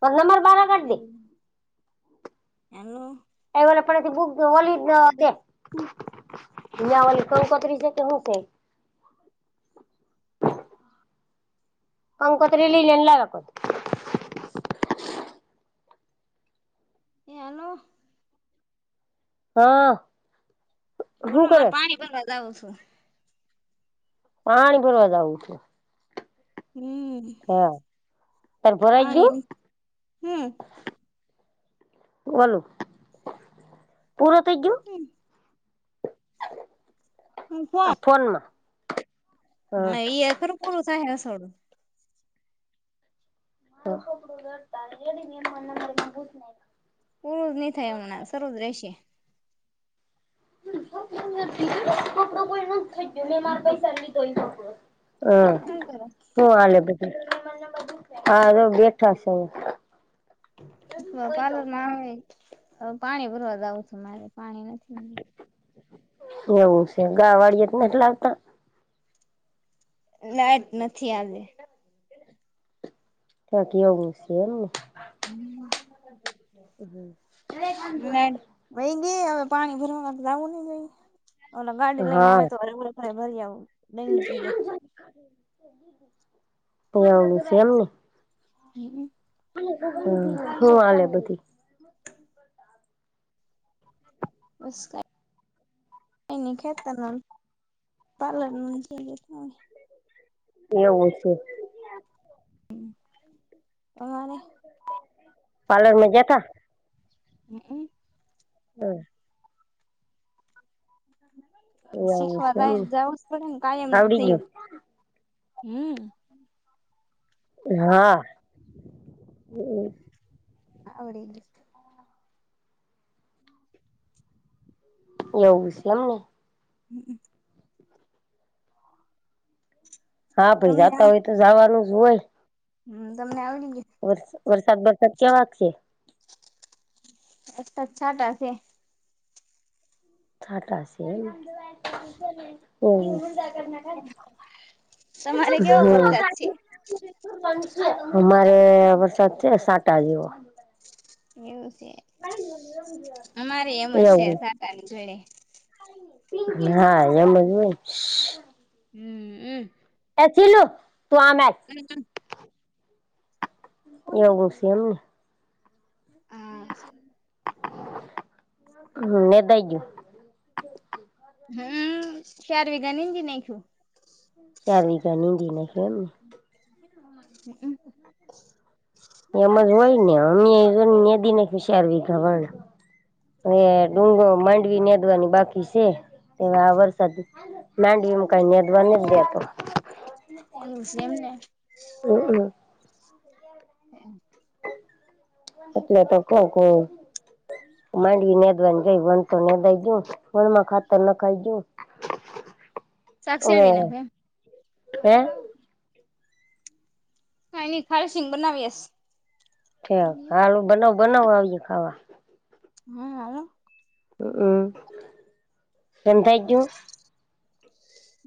પણ નમાર બાર કાઢ દે હેલો, એલો. એ વલ આપડાથી બુક જોવાલી જ અવાદે. યા વોલી કંકોત્રી છે, કે હું છે ઈ? હા કંકોતરી લઈ લી ને, લાઈ આ કોર. એ, હાલો. હં બોલો, મારે પાણી ભરવા જાવુ છ. પાણી ભરવા જાઉ છે. હમ્મ. હા, તારે ભરાઈ ગ્યું? હમ બોલો, પુરુ થઇ ગ્યુ? [unintelligible] હું આ ફોન ફોનમાં. હા ના, ઈ એખર પુડું સાહે અસોડું. ઘ [unintelligible] પૂરું જ નહીં થાય હમણાં. સરુ જ રહેશે. કપડો કોઈ નથો ખાઈ ગયો મેં મારાં પૈસા લીધોય ઈ કપડો અં. શું કરો હું હાલે એ બધું? હા જો બેઠા સે. હવે પાર્લરમાં આવે, હવે પાણી ભરવા જઉ છું મારે, પાણી નથી. એવું છે. ગાવાળિય જ નથી લાવતા? લાઈટ નથી આજે. ત્યાં કેવું, એવું છે એમને. [unintelligible] અને વહી ગઈ હવે પાણી ભરવા માટે જાવું નઈ જોઈએ? ઓલો ગાડી લઈને હા આવે તો હલવું [unintelligible] ભરી આવું ડંકીએ. એ આવુ છે. એમને. [unintelligible] હમ્મ. હું હાલે બધી? નસ્કા કંઈ ની, ખેતરનું, પારલરનું [unintelligible] એવું છે. તમારે? પાર્લર માં જતા હમ્મ. હમ્મ. એવું શીખવા છે લાયક એમને જવું જ પડેને, કાયમનું આવડી થયું. ગયું હમ્મ. હા હ. આવડી ગ્યુ. એવું છે, એમ ને. [inaudible] હા ભાઈ તમને જાતા હોય તો જાવાનું જ હોય. હમ તમને આવડી ગયા. વર વરસાદ બરસાદ કેવા છે? આજ તો છાંટા છે. છાંટા છે એમ હમ્મ. તમારે કેવો વરસાદ છે? અમારે વરસાદ છે સાંટા જેવો. એવું છે અમારે એમ જ છે એવું સાંટાની જોડે. હા એમજ હોય હમ્મ. એ ઝીલું તું આમ આય. [unintelligible] એવું છે એમને આ [unintelligible] હમ્મ ચાર વિગા ઊંઘી નાખ્યું. ચાર વિગાનું ઊંઘી નાખ્યું એમ ને. [unintelligible] એમજ હોય ને અમે [unintelligible] હવે ડુંગો માંડવી નાદવાની બાકી સે આ વરસાદ માંડવીમાં કઈ નેદવા નથી દેતો. એવું છે એમને. [unintelligible] [unintelligible] એટલે તો ક્યાં કઉ માંડવી નેદવાની રઈ વણ તો નેદાય ગયું વણ માં ખાતર નખાઈ ગ્યું. શાક હવે શેરવી નાખું એમ. હે? કાંઈ નઈ ખારી સિંગ બનાવીએસ. [unintelligible] હારૂ બનાવો બનાવો આવીએ ખાવા હમ્મ આવો. રંધાઈ ગયું?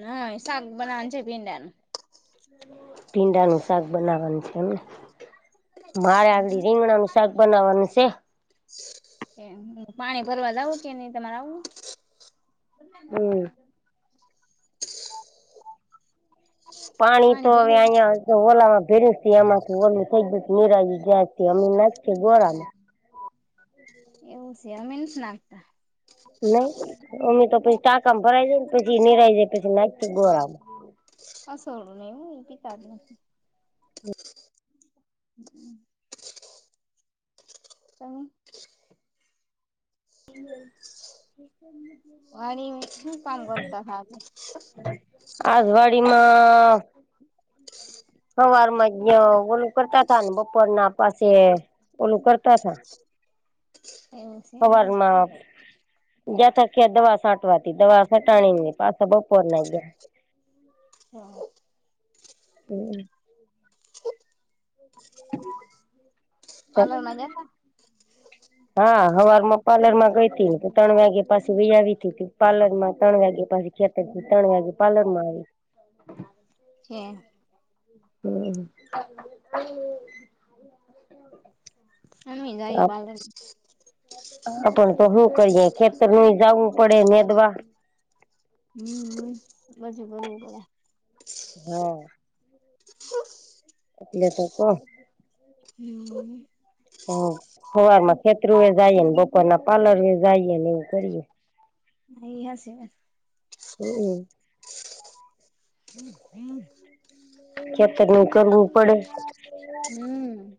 ના શાક બનાવવાનું છે ભીંડાનું ભીંડાનું શાક બનાવાનું છે એમને મારે આજે હમ રીંગણાનું શા શાક બનાવવાનું છે. એ પાણી ભરવા જવું કે નહી તમારે આવું હ? હમ્મ. પાણી તો હવે અહીંયા ઓલામાં ભેર્યું એમાંથી ઓલુ [unintelligible] એવું છે અમે નથી નાખતા. નહી અમે તો પછી ટાંકામાં ભરાઈ જાયને પછી નીરાઈ જાય પછી નાખીયે ગોળામાં [unintelligible] [unintelligible] તમે [inaudible] [unintelligible] આજ વાડીમાં. હવાર માં જ કરતા હતા‌ ને, બપોર ના પસે. ઓલુ કરતા તા. એવું છે એમને હવારમાં. જ્યા દવા સાટવાતી દવા સાટાણી ન પાસા બપોર ના ગયા. [unintelligible] હમ્મ. પાર્લર માં જતા [unintelligible] હા, હવારમાં પ્લર માં ગઈ હતી, ત્રણ વાગ્યા પાસે ગઈ આવી, ત પ્લર માં ત્રણ વાગ્યા પાસે ખે પછી ત્રણ વાગે પાર્લરમાં ગઈ હતી. છે [unintelligible] હમ્મ. [unintelligible] અમે જાય, પાર્લરમાં. આપ તો શું કરીયે, ખેતર ન જવું પડે મેદવા. હમ્મ [unintelligible] હમ્મ. લે પોપપ. હમ્મ. હ, સવારમાં ખેતરુ એ જઈએને, બપોર ના પાર્લર એ જઈએ ને એવું કરીએ. એ સાચી વાત. હમ્મ. [unintelligible] કેત નહી કરવું પડે. હમ્મ.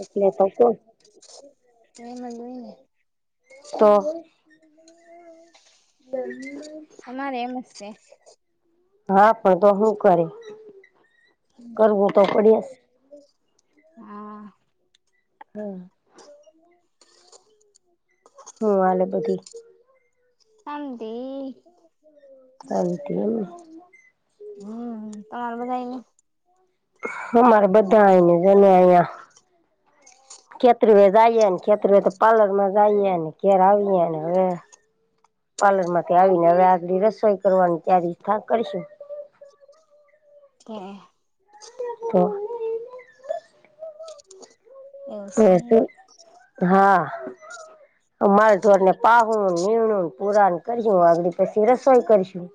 એટલે તો શ [unintelligible] એ મજઈને. તો. [unintelligible] અમારે મસ્ [unintelligible] હા, પણ તો શું કરે? કરવું તો પડે [unintelligible] જ હા. હમ્મ. હું વાલે બધી. [unintelligible] શંતમ એમને. હમ્મ, તમારે બધાને અમારે બધાની જોની આયા. ખેતરીવે જઈએ ને, કેેત પાર્લર માં જઈએ ને, ઘર આવીએ ને. પાર્લર માંથી આવીને, હવે આજનીરસોઈ કરવાની તારી કરીશું. [unintelligible] તો. એવું છે એમને હા, માલઢોરને પાવ. નિણું પુરાણ કરશ વાગડી પછી રસોઈ કરીશું.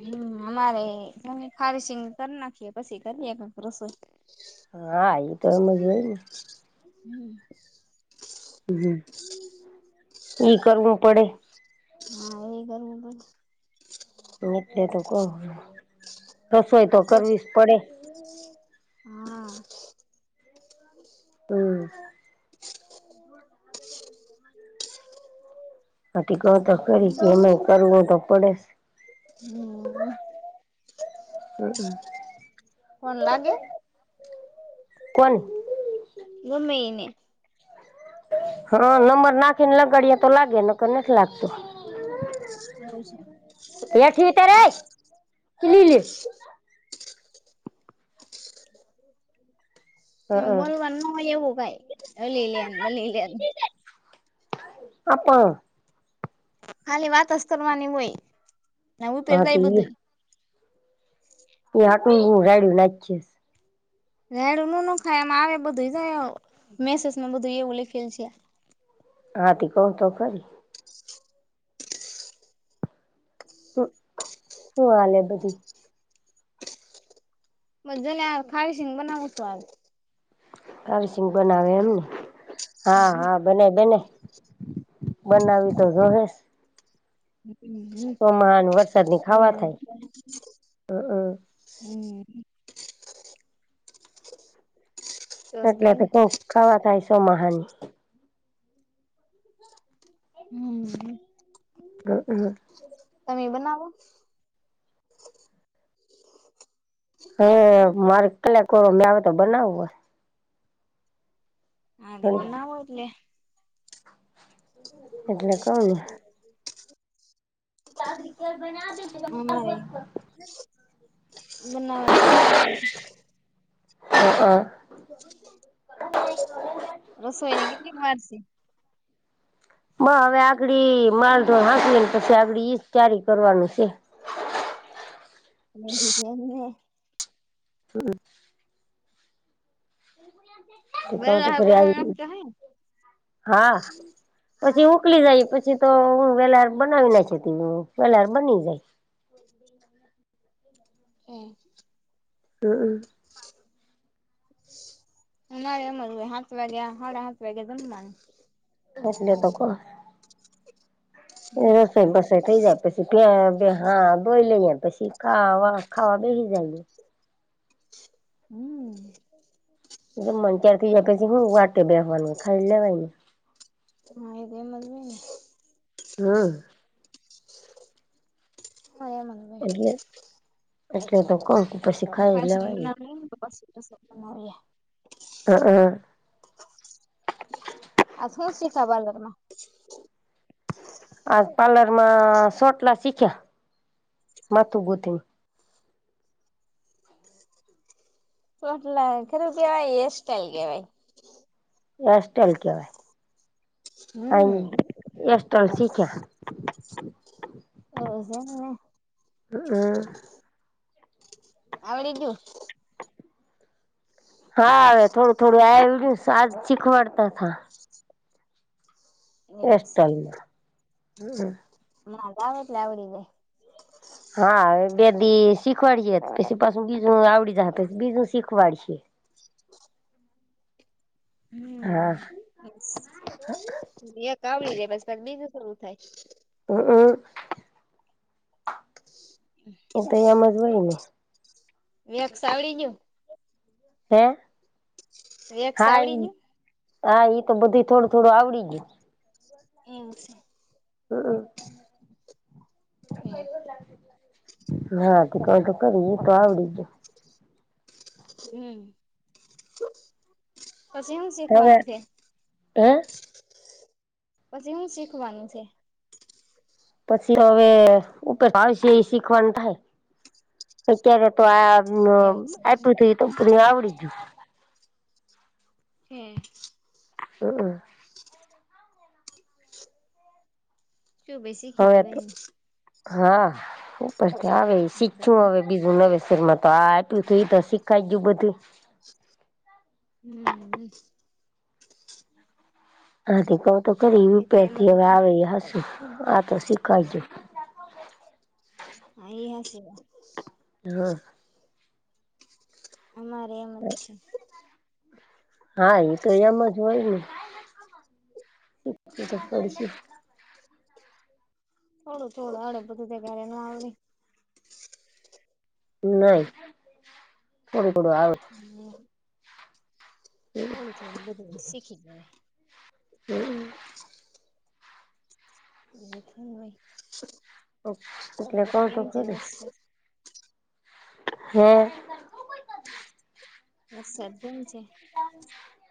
હમ, અમારેમે ફારિશિંગ કરી નાખીએ, એકક રસોઈ. હા, એ તો એવું જોઈને. હમ્મ. હમ્મ, કરવું પડે. હા, એ કરવું [unintelligible] એટલે તો ક રસોઈ તો કરવી જ પડે. હા. હમ્મ. [unintelligible] હમ્મ. હમ, હમ. કોણ લાગે? કોન? ગમેને. હા, નંબર નાખી ને, લગાડીએ તો લાગે ન નથી લાગતું. હવે છે. બેઠતે ર લી લ [unintelligible] હ, લે બોલવા નય એવું કઈ અલીલન બલલન. આપ પણણ [unintelligible] ખાલી વાત કરવાની હોય, નવું હા પેરતા તે એ બધું. એ હાટ હું રાડું નાખીસ. રાડો ન નખાય એમાં આવે, બધું મેસેજમાં બધું એવું લખેલ છે. હાથી કહ તો, કરીરી. હ, હું વા લ બધી. મ જ ખાાવ શીંગ બનાવ છું, આ હરસિંગ બનાવે, એમ ને હા, હા. બને, બને, બનાવી તો જો હસ. હમ, હમ, ચોમાહાની વરસાદની ખાવા બનાવે તો. થાય હમ હમ. સરસ એટલે થાય તો ને કોક ખાવા થાય, સો મહહાની હમ. હમ, હમ. તમે બનાવો. હ, મારે કલાક મે આવે તો, બનાવું હો. હા તો બનાવો, એટલે એટલે કૌ ને. ર બના દે. [unintelligible] અમારે બ નાવાનસરોગત ગી [unintelligible] હ, હ. રસોઈને કેટલી વારશે. હવે આગળ માળધો હાંકીવી ને, પછી આગળ ઈજ તારી કરવાનું છે. હજ [unintelligible] હમ. ક તો ફરે આવી, હા. પછી ઉકલી જાય, પછી તો હું વેલાર બનાવી નાખતી, વેલર બની જાય. [unintelligible] હમ. હમ હમ. ના અમારે હાત વાગ્યા હાડા હાત વાગે જમવાનું. એટલે તો કઉ વરસાદ બરસાદ છે [unintelligible] પછી હા બોઈ લઈએ પછી ખાવા ખાવા બેહિ જાયએ. હમ.. [unintelligible] પછી હું વાટે બેવાનું ખાઈ લેવાય ને. હવે ધ્યાન રાખજો ને. હમ.. [unintelligible] એટલે એટલે તો કહું છું. [unintelligible] હ અ. આ શું છે તમાર લોકો ન. આજ પાર્લરમાં સોટલા શીખ્યા માથુ ગુથીન. [inaudible] ખરું કેવાય એરસ્ટ્ટાાઈલ કેવાય. એરસ્ટાઈલ કેવાય. હમ અહીં એર સ્ટાઇલ શીખ્યા. [unintelligible] હ હમ. આવળી ગ્યું? હા હવે થોડું થોડું આવડ્યું આજ શીખવાડતાતા. એવું છે એસ્ટલમા. હમ. [inaudible] એટલે આવડી જાય. હા બે દી શીખવાડયે પછી પાછુ બીજું આવડી જાહે પસી બીજું શીખવાડશે. હા હમ. બસ એક આવડી જાય પછી પાહુ બીજું પૂરું થાય. હ હમ, એ તો એમ જ હોય ને. વેક્સ આવડી ગયું? હે વેક્સ હા આવડી ગયું હા ઈ તો બધું થોડું થોડું આવડી ગ્યું. એવું છે? હ અ. હમ. હા [inaudible] તો કર તો આવડી ગ્યું. હમ. પછી હું હવે શીખવાનું ત્યાં? હે પછી હું શીખવાનું છે? પછી હવે ઉપરાવાશે એ શીખવાનું થાય. અત્યારે તો આ અ એવું આપ્યું તું એતો તને આવડી ગયું. હમ. હ અ. શું કે શીખી હવે તો જવાય. હા, ઉપરથી આવે એ શીખ્યું અવે. બીજુના વિષયમાં તો આ આપ્યું હતું એ શીખાઈ ગયું બધું. [unintelligible] હાથી કઉ તો કરી એ તો ઉપેર એમ જ થી હવે હોય ને આવે હસુ આતો શીખાયજ. [unintelligible] હા. અમારે એમ જ છે. હા એ તો એમ જ હોય ને? થોડું થોડું આવડે બધું ત ઘરે ન આવડે? નય... થોડું ઘણું આવડે. [unintelligible] એટલે હું થોડું બધું શીખી લેવાય. [unintelligible] જેટલું હોય. એટલે કતો કેમ છે ખરી? વરસાદ હે... વરસાદ કેવુ છે.